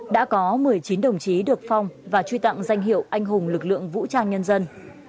đã có một mươi chín đồng chí được phong và truy tặng danh hiệu anh hùng lực lượng vũ trang nhân dân